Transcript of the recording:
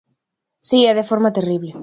Si e de forma terrible.